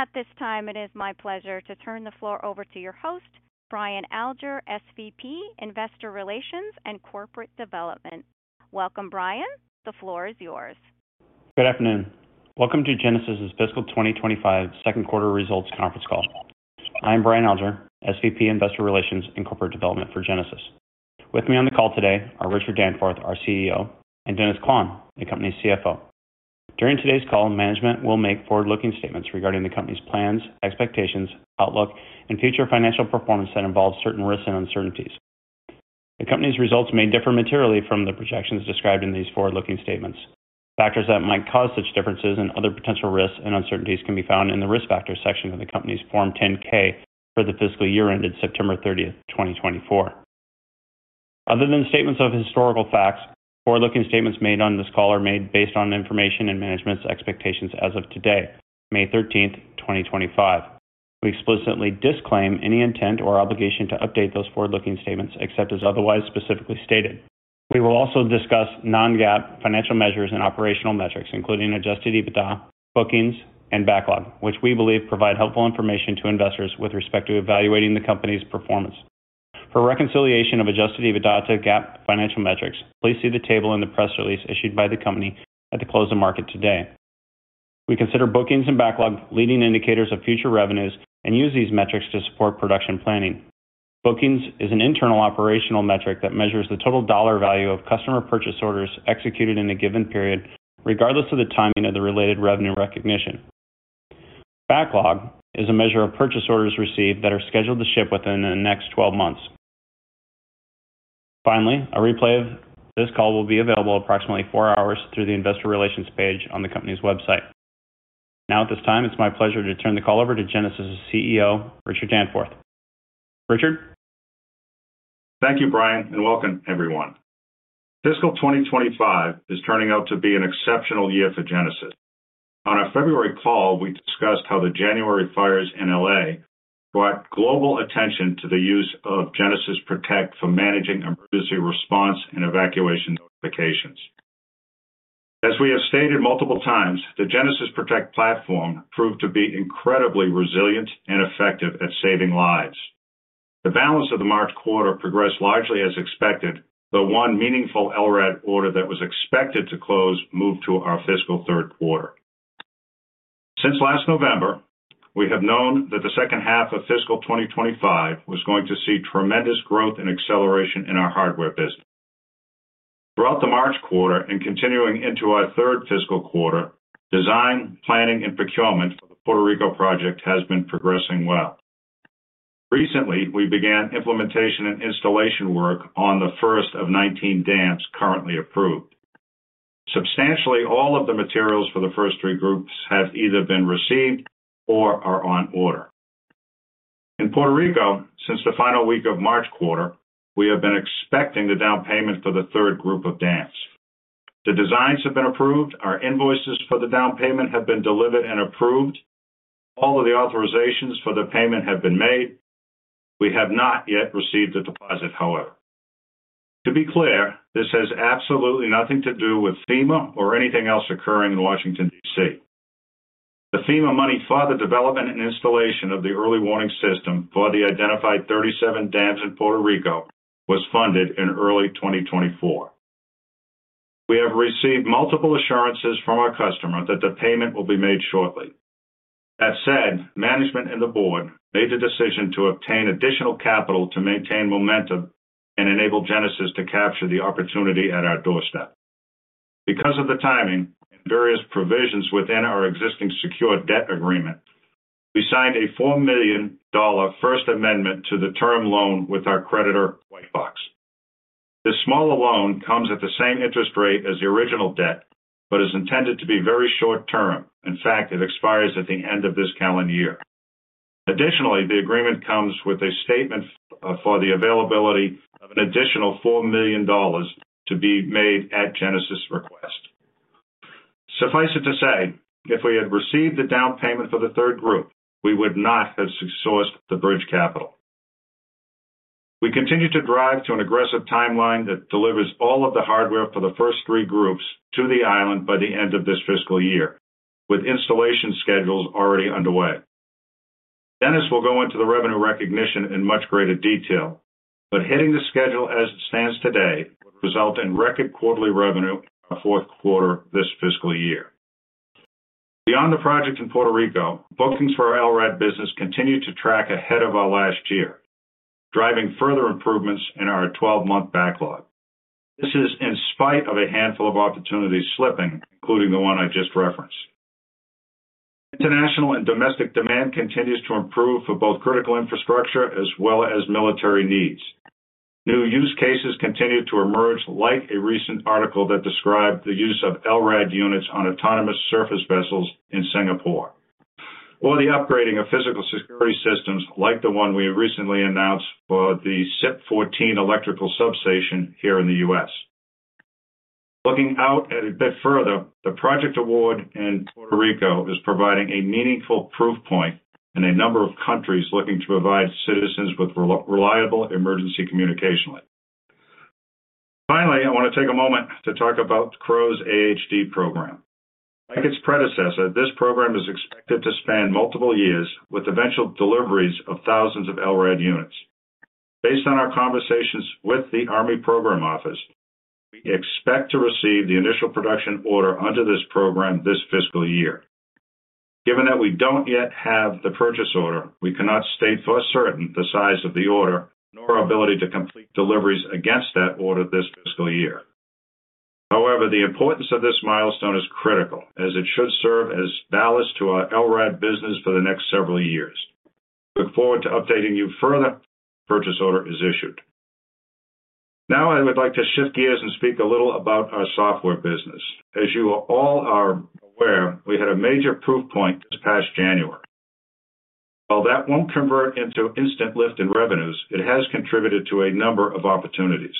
At this time, it is my pleasure to turn the floor over to your host, Brian Alger, SVP, Investor Relations and Corporate Development. Welcome, Brian. The floor is yours. Good afternoon. Welcome to Genasys's Fiscal 2025 Second Quarter Results Conference Call. I am Brian Alger, SVP, Investor Relations and Corporate Development for Genasys. With me on the call today are Richard Danforth, our CEO, and Dennis Klahn, the company's CFO. During today's call, management will make forward-looking statements regarding the company's plans, expectations, outlook, and future financial performance that involve certain risks and uncertainties. The company's results may differ materially from the projections described in these forward-looking statements. Factors that might cause such differences and other potential risks and uncertainties can be found in the risk factors section of the company's Form 10-K for the fiscal year ended September 30, 2024. Other than statements of historical facts, forward-looking statements made on this call are made based on information and management's expectations as of today, May 13, 2025. We explicitly disclaim any intent or obligation to update those forward-looking statements except as otherwise specifically stated. We will also discuss non-GAAP financial measures and operational metrics, including adjusted EBITDA, bookings, and backlog, which we believe provide helpful information to investors with respect to evaluating the company's performance. For reconciliation of adjusted EBITDA to GAAP financial metrics, please see the table in the press release issued by the company at the close of market today. We consider bookings and backlog leading indicators of future revenues and use these metrics to support production planning. Bookings is an internal operational metric that measures the total dollar value of customer purchase orders executed in a given period, regardless of the timing of the related revenue recognition. Backlog is a measure of purchase orders received that are scheduled to ship within the next 12 months. Finally, a replay of this call will be available approximately four hours through the Investor Relations page on the company's website. Now, at this time, it's my pleasure to turn the call over to Genasys' CEO, Richard Danforth. Richard? Thank you, Brian, and welcome, everyone. Fiscal 2025 is turning out to be an exceptional year for Genasys. On our February call, we discussed how the January fires in Los Angeles brought global attention to the use of Genasys Protect for managing emergency response and evacuation notifications. As we have stated multiple times, the Genasys Protect platform proved to be incredibly resilient and effective at saving lives. The balance of the March quarter progressed largely as expected, though one meaningful LRAD order that was expected to close moved to our fiscal third quarter. Since last November, we have known that the second half of fiscal 2025 was going to see tremendous growth and acceleration in our hardware business. Throughout the March quarter and continuing into our third fiscal quarter, design, planning, and procurement for the Puerto Rico project has been progressing well. Recently, we began implementation and installation work on the first of 19 dams currently approved. Substantially, all of the materials for the first three groups have either been received or are on order. In Puerto Rico, since the final week of March quarter, we have been expecting the down payment for the third group of dams. The designs have been approved, our invoices for the down payment have been delivered and approved, all of the authorizations for the payment have been made. We have not yet received the deposit, however. To be clear, this has absolutely nothing to do with FEMA or anything else occurring in Washington, D.C. The FEMA money for the development and installation of the early warning system for the identified 37 dams in Puerto Rico was funded in early 2024. We have received multiple assurances from our customer that the payment will be made shortly. That said, management and the board made the decision to obtain additional capital to maintain momentum and enable Genasys to capture the opportunity at our doorstep. Because of the timing and various provisions within our existing secured debt agreement, we signed a $4 million first amendment to the term loan with our creditor, Whitebox. This smaller loan comes at the same interest rate as the original debt but is intended to be very short-term. In fact, it expires at the end of this calendar year. Additionally, the agreement comes with a statement for the availability of an additional $4 million to be made at Genasys' request. Suffice it to say, if we had received the down payment for the third group, we would not have sourced the bridge capital. We continue to drive to an aggressive timeline that delivers all of the hardware for the first three groups to the island by the end of this fiscal year, with installation schedules already underway. Dennis will go into the revenue recognition in much greater detail, but hitting the schedule as it stands today will result in record quarterly revenue in our fourth quarter this fiscal year. Beyond the project in Puerto Rico, bookings for our LRAD business continue to track ahead of our last year, driving further improvements in our 12-month backlog. This is in spite of a handful of opportunities slipping, including the one I just referenced. International and domestic demand continues to improve for both critical infrastructure as well as military needs. New use cases continue to emerge, like a recent article that described the use of LRAD units on autonomous surface vessels in Singapore, or the upgrading of physical security systems like the one we recently announced for the SIP-14 electrical substation here in the U.S. Looking out a bit further, the project award in Puerto Rico is providing a meaningful proof point in a number of countries looking to provide citizens with reliable emergency communication link. Finally, I want to take a moment to talk about CROW's AHD program. Like its predecessor, this program is expected to span multiple years with eventual deliveries of thousands of LRAD units. Based on our conversations with the Army Program Office, we expect to receive the initial production order under this program this fiscal year. Given that we don't yet have the purchase order, we cannot state for certain the size of the order nor our ability to complete deliveries against that order this fiscal year. However, the importance of this milestone is critical as it should serve as a balance to our LRAD business for the next several years. We look forward to updating you further as the purchase order is issued. Now, I would like to shift gears and speak a little about our software business. As you all are aware, we had a major proof point this past January. While that won't convert into instant lift in revenues, it has contributed to a number of opportunities.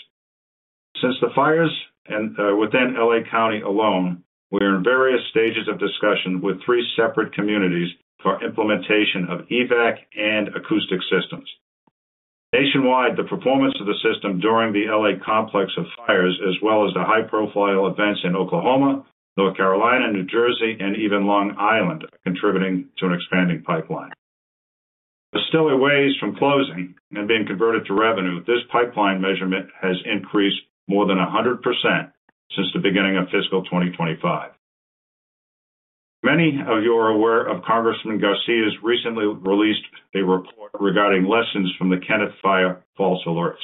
Since the fires within Los Angeles County alone, we are in various stages of discussion with three separate communities for implementation of EVAC and acoustic systems. Nationwide, the performance of the system during the LA complex of fires, as well as the high-profile events in Oklahoma, North Carolina, New Jersey, and even Long Island, are contributing to an expanding pipeline. Still a ways from closing and being converted to revenue, this pipeline measurement has increased more than 100% since the beginning of fiscal 2025. Many of you are aware of Congressman Garcia's recently released report regarding lessons from the Kenneth Fire false alerts.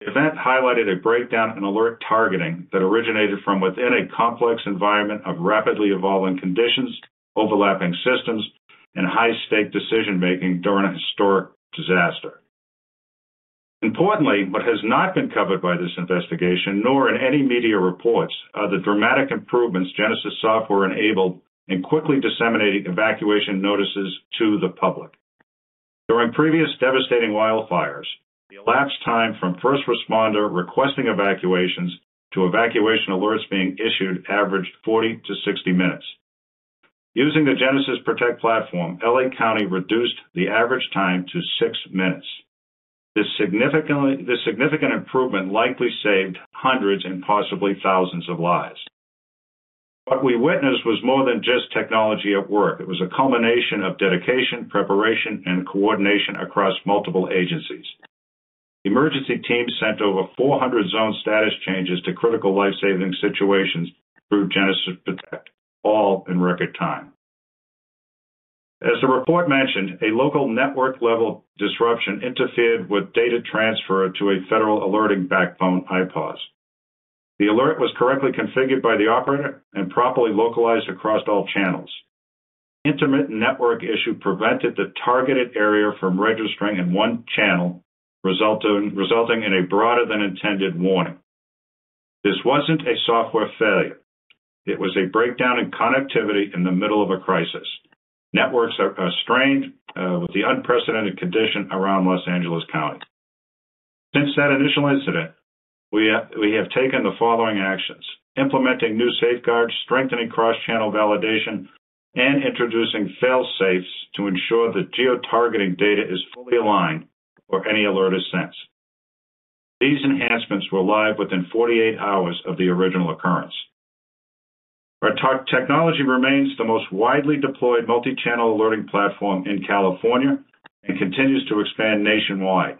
The event highlighted a breakdown in alert targeting that originated from within a complex environment of rapidly evolving conditions, overlapping systems, and high-stake decision-making during a historic disaster. Importantly, what has not been covered by this investigation, nor in any media reports, are the dramatic improvements Genasys software enabled in quickly disseminating evacuation notices to the public. During previous devastating wildfires, the elapsed time from first responder requesting evacuations to evacuation alerts being issued averaged 40-60 minutes. Using the Genesis Protect platform, LA County reduced the average time to six minutes. This significant improvement likely saved hundreds and possibly thousands of lives. What we witnessed was more than just technology at work. It was a culmination of dedication, preparation, and coordination across multiple agencies. Emergency teams sent over 400 zone status changes to critical life-saving situations through Genesis Protect, all in record time. As the report mentioned, a local network-level disruption interfered with data transfer to a federal alerting backbone IPAWS. The alert was correctly configured by the operator and properly localized across all channels. The intermittent network issue prevented the targeted area from registering in one channel, resulting in a broader-than-intended warning. This was not a software failure. It was a breakdown in connectivity in the middle of a crisis. Networks are strained with the unprecedented condition around Los Angeles County. Since that initial incident, we have taken the following actions: implementing new safeguards, strengthening cross-channel validation, and introducing fail-safes to ensure the geo-targeting data is fully aligned for any alert ascents. These enhancements were live within 48 hours of the original occurrence. Our technology remains the most widely deployed multi-channel alerting platform in California and continues to expand nationwide.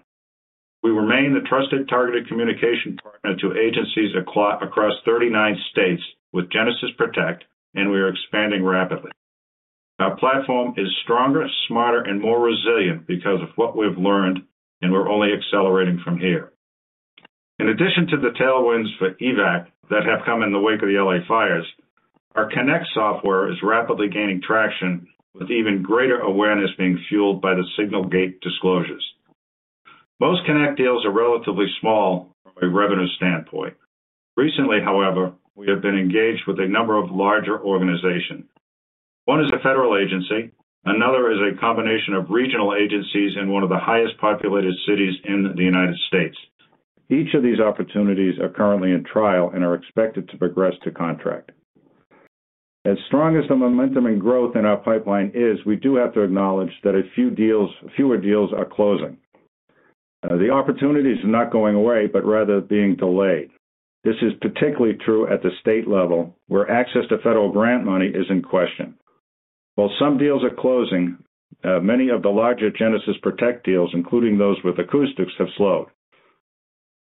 We remain the trusted targeted communication partner to agencies across 39 states with Genesis Protect, and we are expanding rapidly. Our platform is stronger, smarter, and more resilient because of what we've learned, and we're only accelerating from here. In addition to the tailwinds for EVAC that have come in the wake of the LA fires, our Connect software is rapidly gaining traction, with even greater awareness being fueled by the Signal Gate disclosures. Most Connect deals are relatively small from a revenue standpoint. Recently, however, we have been engaged with a number of larger organizations. One is a federal agency. Another is a combination of regional agencies in one of the highest populated cities in the United States. Each of these opportunities are currently in trial and are expected to progress to contract. As strong as the momentum and growth in our pipeline is, we do have to acknowledge that a few deals—fewer deals—are closing. The opportunities are not going away, but rather being delayed. This is particularly true at the state level, where access to federal grant money is in question. While some deals are closing, many of the larger Genasys Protect deals, including those with acoustics, have slowed.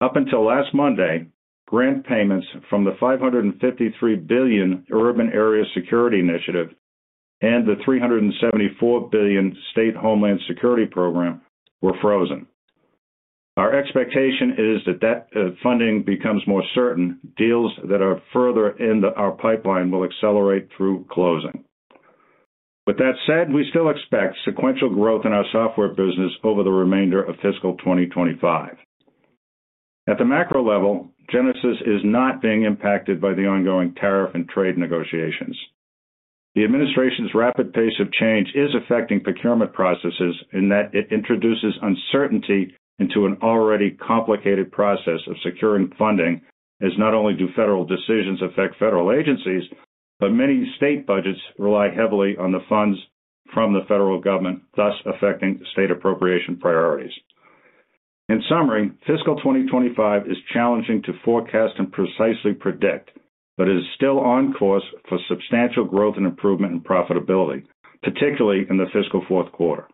Up until last Monday, grant payments from the $553 billion Urban Area Security Initiative and the $374 billion State Homeland Security Program were frozen. Our expectation is that that funding becomes more certain, deals that are further in our pipeline will accelerate through closing. With that said, we still expect sequential growth in our software business over the remainder of fiscal 2025. At the macro level, Genesis is not being impacted by the ongoing tariff and trade negotiations. The administration's rapid pace of change is affecting procurement processes in that it introduces uncertainty into an already complicated process of securing funding, as not only do federal decisions affect federal agencies, but many state budgets rely heavily on the funds from the federal government, thus affecting state appropriation priorities. In summary, fiscal 2025 is challenging to forecast and precisely predict, but it is still on course for substantial growth and improvement in profitability, particularly in the fiscal fourth quarter.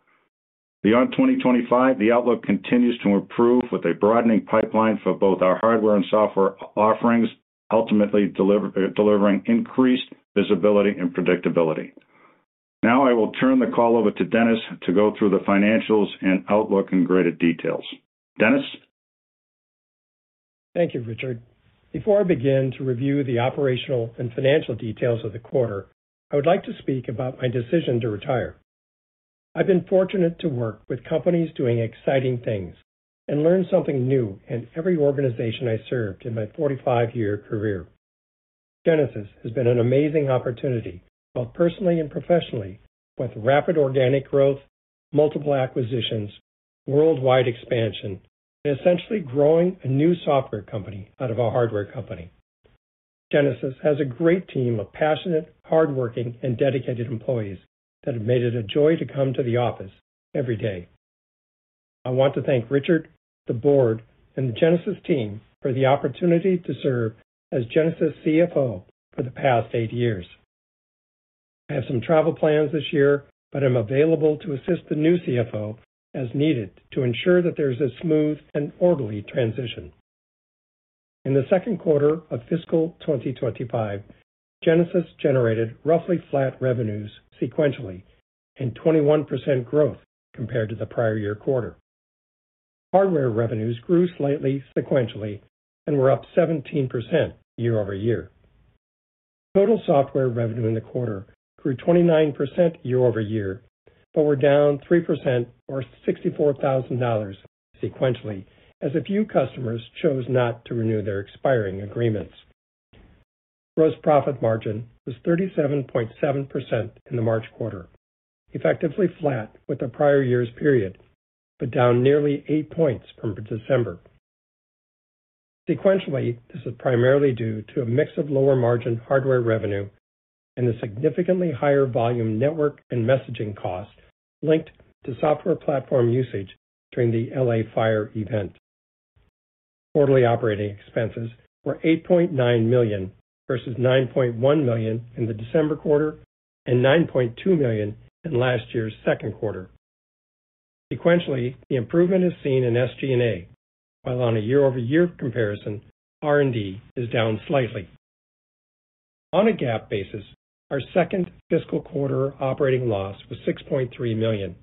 Beyond 2025, the outlook continues to improve with a broadening pipeline for both our hardware and software offerings, ultimately delivering increased visibility and predictability. Now, I will turn the call over to Dennis to go through the financials and outlook in greater detail. Dennis? Thank you, Richard. Before I begin to review the operational and financial details of the quarter, I would like to speak about my decision to retire. I've been fortunate to work with companies doing exciting things and learn something new in every organization I served in my 45-year career. Genasys has been an amazing opportunity, both personally and professionally, with rapid organic growth, multiple acquisitions, worldwide expansion, and essentially growing a new software company out of a hardware company. Genasys has a great team of passionate, hardworking, and dedicated employees that have made it a joy to come to the office every day. I want to thank Richard, the board, and the Genasys team for the opportunity to serve as Genasys CFO for the past eight years. I have some travel plans this year, but I'm available to assist the new CFO as needed to ensure that there's a smooth and orderly transition. In the second quarter of fiscal 2025, Genasys generated roughly flat revenues sequentially and 21% growth compared to the prior year quarter. Hardware revenues grew slightly sequentially and were up 17% year over year. Total software revenue in the quarter grew 29% year over year, but were down 3% or $64,000 sequentially as a few customers chose not to renew their expiring agreements. Gross profit margin was 37.7% in the March quarter, effectively flat with the prior year's period, but down nearly eight percentage points from December. Sequentially, this is primarily due to a mix of lower margin hardware revenue and the significantly higher volume network and messaging costs linked to software platform usage during the LA fire event. Quarterly operating expenses were $8.9 million versus $9.1 million in the December quarter and $9.2 million in last year's second quarter. Sequentially, the improvement is seen in SG&A, while on a year-over-year comparison, R&D is down slightly. On a GAAP basis, our second fiscal quarter operating loss was $6.3 million,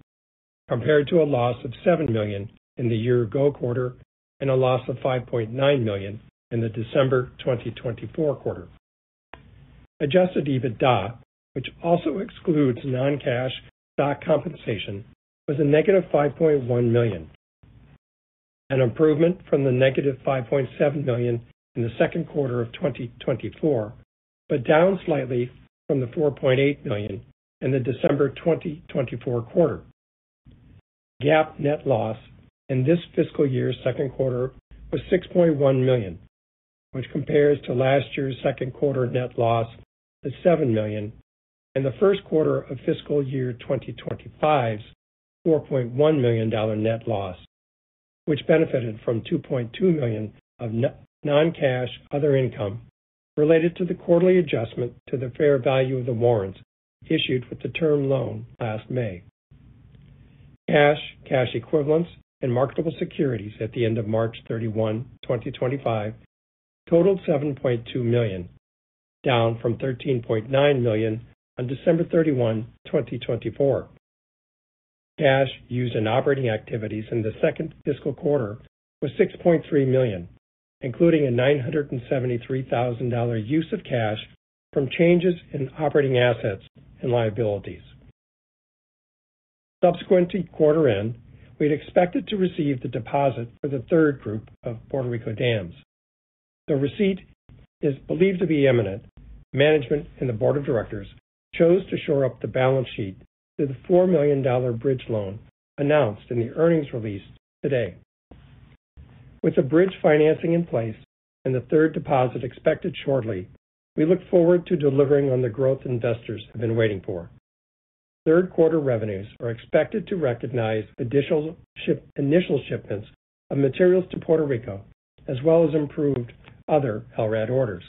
compared to a loss of $7 million in the year-ago quarter and a loss of $5.9 million in the December 2024 quarter. Adjusted EBITDA, which also excludes non-cash stock compensation, was a negative $5.1 million. An improvement from the negative $5.7 million in the second quarter of 2024, but down slightly from the $4.8 million in the December 2024 quarter. GAAP net loss in this fiscal year's second quarter was $6.1 million, which compares to last year's second quarter net loss of $7 million and the first quarter of fiscal year 2025's $4.1 million net loss, which benefited from $2.2 million of non-cash other income related to the quarterly adjustment to the fair value of the warrants issued with the term loan last May. Cash, cash equivalents, and marketable securities at the end of March 31, 2025, totaled $7.2 million, down from $13.9 million on December 31, 2024. Cash used in operating activities in the second fiscal quarter was $6.3 million, including a $973,000 use of cash from changes in operating assets and liabilities. Subsequent to quarter end, we expected to receive the deposit for the third group of Puerto Rico dams. The receipt is believed to be imminent. Management and the board of directors chose to shore up the balance sheet through the $4 million bridge loan announced in the earnings release today. With the bridge financing in place and the third deposit expected shortly, we look forward to delivering on the growth investors have been waiting for. Third quarter revenues are expected to recognize initial shipments of materials to Puerto Rico, as well as improved other LRAD orders.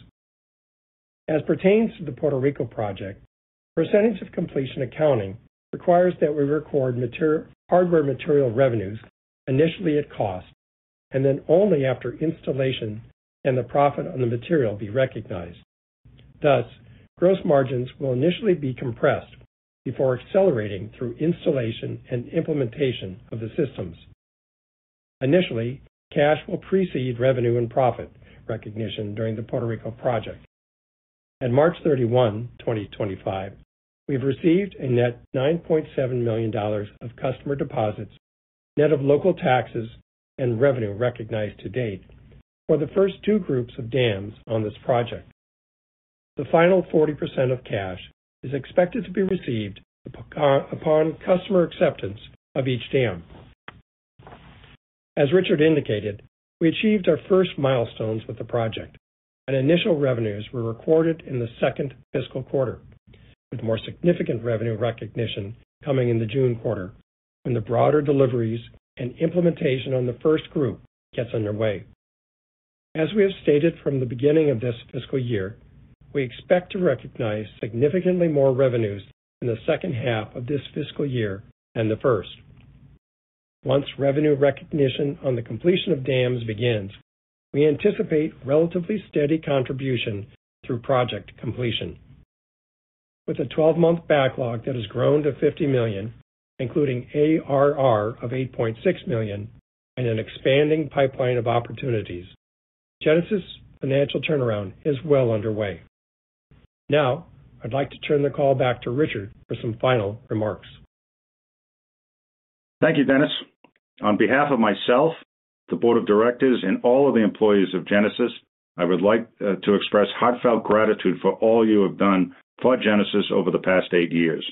As pertains to the Puerto Rico project, percentage of completion accounting requires that we record hardware material revenues initially at cost, and then only after installation can the profit on the material be recognized. Thus, gross margins will initially be compressed before accelerating through installation and implementation of the systems. Initially, cash will precede revenue and profit recognition during the Puerto Rico project. At March 31, 2025, we've received a net $9.7 million of customer deposits, net of local taxes and revenue recognized to date, for the first two groups of dams on this project. The final 40% of cash is expected to be received upon customer acceptance of each dam. As Richard indicated, we achieved our first milestones with the project, and initial revenues were recorded in the second fiscal quarter, with more significant revenue recognition coming in the June quarter when the broader deliveries and implementation on the first group gets underway. As we have stated from the beginning of this fiscal year, we expect to recognize significantly more revenues in the second half of this fiscal year than the first. Once revenue recognition on the completion of dams begins, we anticipate relatively steady contribution through project completion. With a 12-month backlog that has grown to $50 million, including ARR of $8.6 million, and an expanding pipeline of opportunities, Genasys' financial turnaround is well underway. Now, I'd like to turn the call back to Richard for some final remarks. Thank you, Dennis. On behalf of myself, the board of directors, and all of the employees of Genasys, I would like to express heartfelt gratitude for all you have done for Genasys over the past eight years.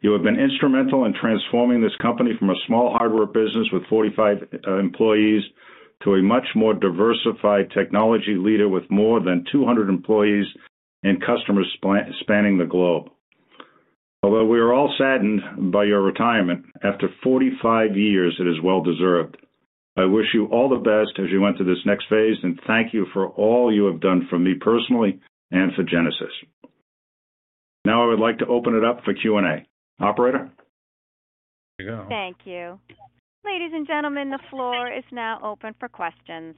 You have been instrumental in transforming this company from a small hardware business with 45 employees to a much more diversified technology leader with more than 200 employees and customers spanning the globe. Although we are all saddened by your retirement, after 45 years, it is well deserved. I wish you all the best as you enter this next phase, and thank you for all you have done for me personally and for Genasys. Now, I would like to open it up for Q&A. Operator? There you go. Thank you. Ladies and gentlemen, the floor is now open for questions.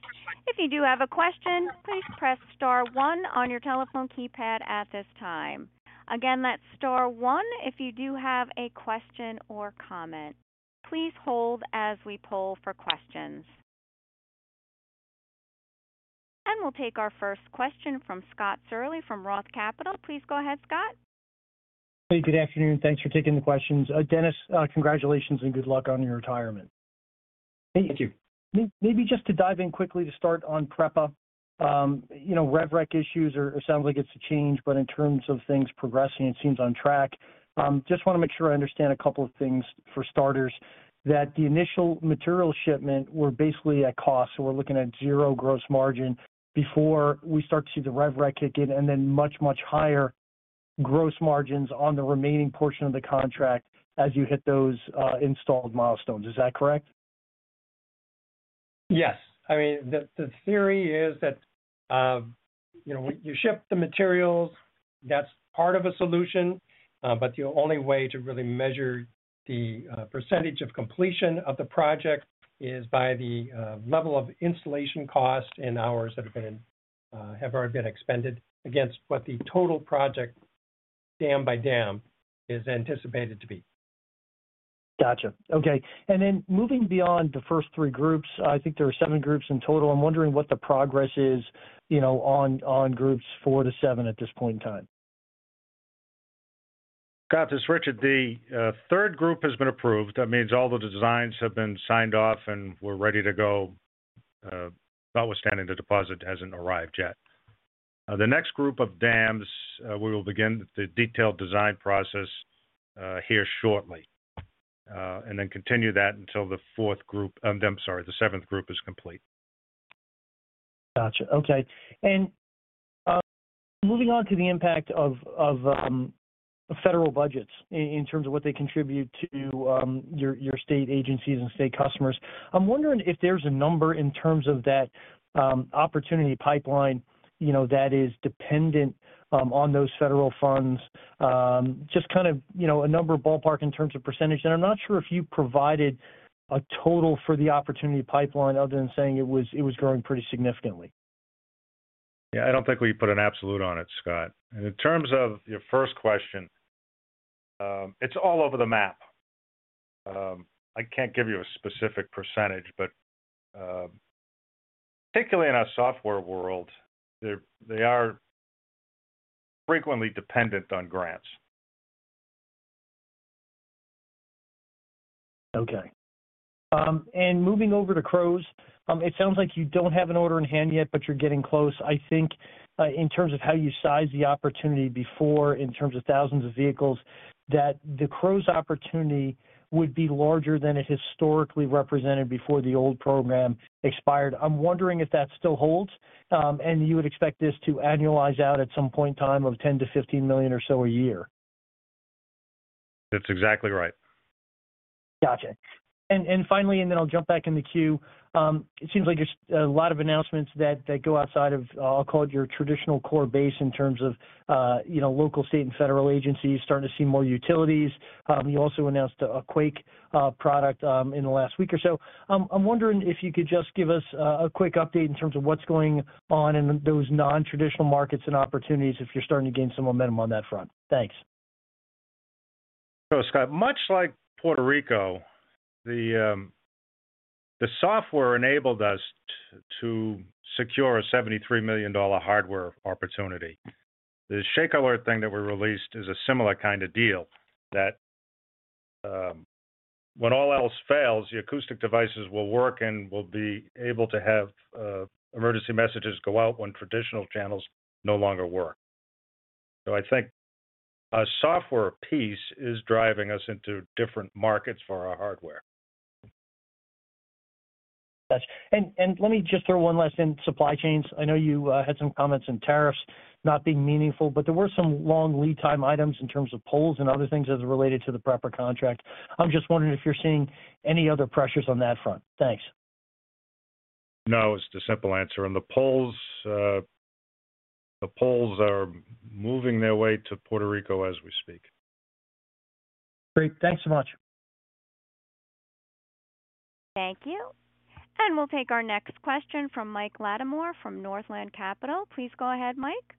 If you do have a question, please press star one on your telephone keypad at this time. Again, that's star one if you do have a question or comment. Please hold as we poll for questions. We'll take our first question from Scott Searle from Roth Capital. Please go ahead, Scott. Hey, good afternoon. Thanks for taking the questions. Dennis, congratulations and good luck on your retirement. Thank you. Maybe just to dive in quickly to start on PREPA, you know, red rec issues, or it sounds like it's a change, but in terms of things progressing, it seems on track. Just want to make sure I understand a couple of things for starters, that the initial material shipment were basically at cost, so we're looking at zero gross margin before we start to see the red rec kick in, and then much, much higher gross margins on the remaining portion of the contract as you hit those installed milestones. Is that correct? Yes. I mean, the theory is that, you know, you ship the materials, that's part of a solution, but the only way to really measure the percentage of completion of the project is by the level of installation costs and hours that have been expended against what the total project dam by dam is anticipated to be. Gotcha. Okay. And then moving beyond the first three groups, I think there are seven groups in total. I'm wondering what the progress is, you know, on groups four to seven at this point in time. Scott, this is Richard. The third group has been approved. That means all the designs have been signed off and we're ready to go. That was standing. The deposit hasn't arrived yet. The next group of dams, we will begin the detailed design process here shortly, and then continue that until the fourth group, I'm sorry, the seventh group is complete. Gotcha. Okay. Moving on to the impact of federal budgets in terms of what they contribute to your state agencies and state customers, I'm wondering if there's a number in terms of that opportunity pipeline, you know, that is dependent on those federal funds, just kind of, you know, a number ballpark in terms of %. I'm not sure if you provided a total for the opportunity pipeline other than saying it was growing pretty significantly. Yeah, I don't think we put an absolute on it, Scott. In terms of your first question, it's all over the map. I can't give you a specific %, but particularly in our software world, they are frequently dependent on grants. Okay. Moving over to CROWS, it sounds like you don't have an order in hand yet, but you're getting close. I think in terms of how you size the opportunity before in terms of thousands of vehicles, that the CROWS opportunity would be larger than it historically represented before the old program expired. I'm wondering if that still holds, and you would expect this to annualize out at some point in time of $10 million-$15 million or so a year. That's exactly right. Gotcha. Finally, and then I'll jump back in the queue, it seems like there's a lot of announcements that go outside of, I'll call it your traditional core base in terms of, you know, local, state, and federal agencies starting to see more utilities. You also announced a Quake product in the last week or so. I'm wondering if you could just give us a quick update in terms of what's going on in those non-traditional markets and opportunities if you're starting to gain some momentum on that front. Thanks. Scott, much like Puerto Rico, the software enabled us to secure a $73 million hardware opportunity. The ShakeAlert thing that we released is a similar kind of deal that when all else fails, the acoustic devices will work and will be able to have emergency messages go out when traditional channels no longer work. I think our software piece is driving us into different markets for our hardware. Gotcha. Let me just throw one last in, supply chains. I know you had some comments in tariffs not being meaningful, but there were some long lead time items in terms of poles and other things as related to the PREPA contract. I'm just wondering if you're seeing any other pressures on that front. Thanks. No, it's the simple answer. The poles are moving their way to Puerto Rico as we speak. Great. Thanks so much. Thank you. We'll take our next question from Mike Latimore from Northland Capital. Please go ahead, Mike.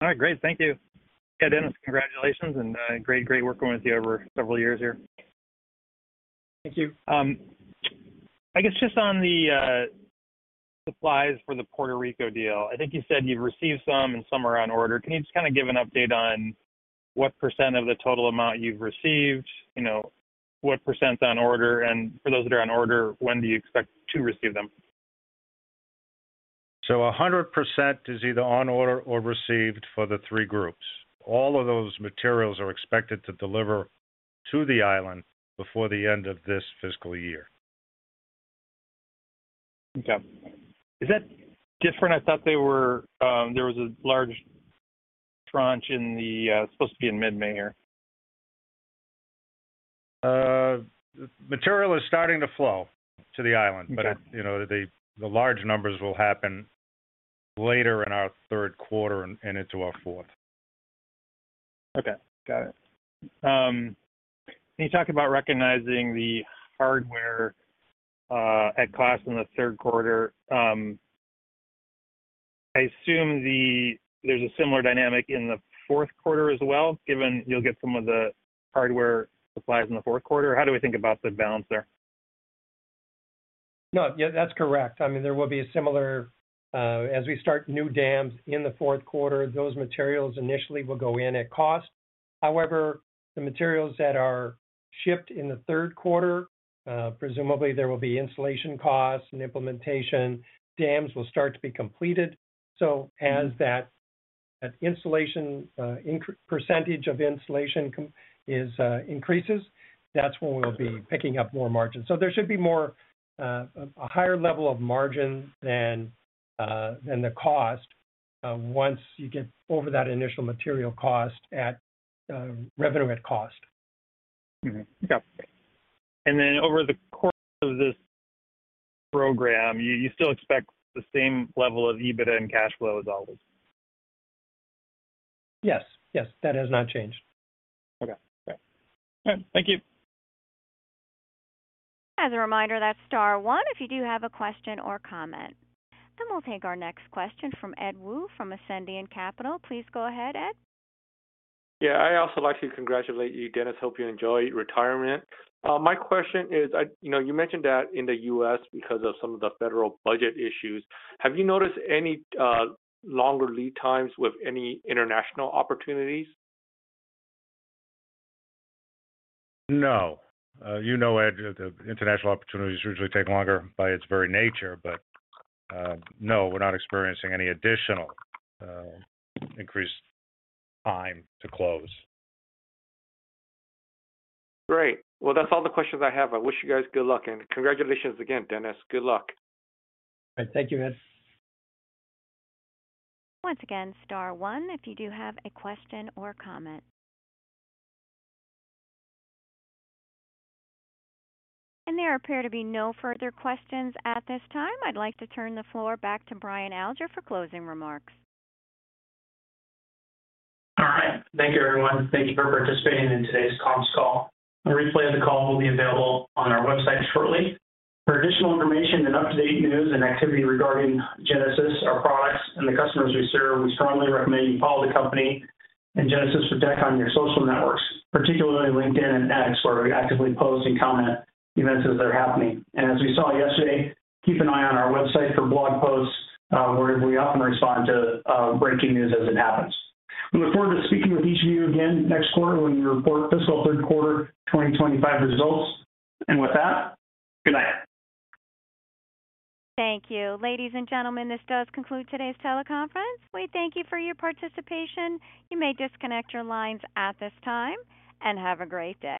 All right. Great. Thank you. Yeah, Dennis, congratulations and great, great working with you over several years here. Thank you. I guess just on the supplies for the Puerto Rico deal, I think you said you've received some and some are on order. Can you just kind of give an update on what % of the total amount you've received, you know, what %'s on order, and for those that are on order, when do you expect to receive them? So 100% is either on order or received for the three groups. All of those materials are expected to deliver to the island before the end of this fiscal year. Okay. Is that different? I thought there was a large tranche in the, it's supposed to be in mid-May here. Material is starting to flow to the island, but you know, the large numbers will happen later in our third quarter and into our fourth. Okay. Got it. Can you talk about recognizing the hardware at cost in the third quarter? I assume there's a similar dynamic in the fourth quarter as well, given you'll get some of the hardware supplies in the fourth quarter. How do we think about the balance there? No, that's correct. I mean, there will be a similar as we start new dams in the fourth quarter, those materials initially will go in at cost. However, the materials that are shipped in the third quarter, presumably there will be installation costs and implementation, dams will start to be completed. As that percentage of installation increases, that's when we'll be picking up more margin. There should be a higher level of margin than the cost once you get over that initial material cost at revenue at cost. Okay. Over the course of this program, you still expect the same level of EBITDA and cash flow as always? Yes. Yes. That has not changed. Okay. Great. All right. Thank you. As a reminder, that's star one if you do have a question or comment. We will take our next question from Ed Wu from Ascendiant Capital. Please go ahead, Ed. Yeah. I also like to congratulate you, Dennis. Hope you enjoy retirement. My question is, you know, you mentioned that in the U.S. because of some of the federal budget issues. Have you noticed any longer lead times with any international opportunities? No. You know, Ed, the international opportunities usually take longer by its very nature, but no, we're not experiencing any additional increased time to close. Great. That is all the questions I have. I wish you guys good luck and congratulations again, Dennis. Good luck. All right. Thank you, Ed. Once again, star one if you do have a question or comment. There appear to be no further questions at this time. I'd like to turn the floor back to Brian Alger for closing remarks. All right. Thank you, everyone. Thank you for participating in today's comms call. A replay of the call will be available on our website shortly. For additional information and up-to-date news and activity regarding Genasys, our products, and the customers we serve, we strongly recommend you follow the company and Genasys Protect on your social networks, particularly LinkedIn and X, where we actively post and comment events as they're happening. As we saw yesterday, keep an eye on our website for blog posts where we often respond to breaking news as it happens. We look forward to speaking with each of you again next quarter when we report fiscal third quarter 2025 results. With that, good night. Thank you. Ladies and gentlemen, this does conclude today's teleconference. We thank you for your participation. You may disconnect your lines at this time and have a great day.